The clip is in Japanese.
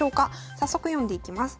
早速読んでいきます。